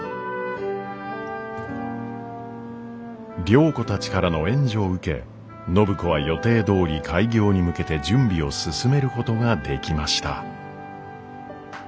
良子たちからの援助を受け暢子は予定どおり開業に向けて準備を進めることができました。